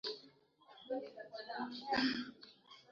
Mamia ya watu walitupwa jela na kwenye kambi za kutumikishwa